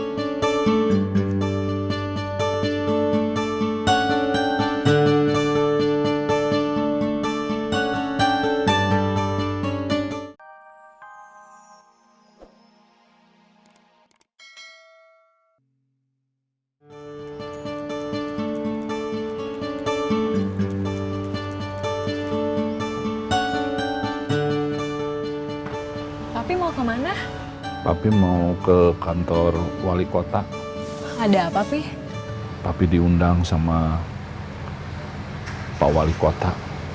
tapi mau kemana tapi mau ke kantor wali kota ada apa sih tapi diundang sama pak wali kota